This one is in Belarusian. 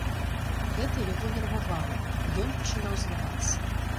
Гэта яго нервавала, і ён пачынаў злавацца.